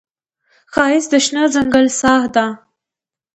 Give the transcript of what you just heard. ښایست د شنه ځنګل ساه ده